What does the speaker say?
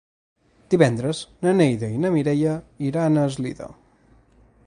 Divendres na Neida i na Mireia iran a Eslida.